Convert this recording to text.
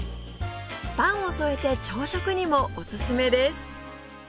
パンを添えて朝食にもおすすめです